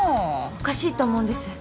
おかしいと思うんです。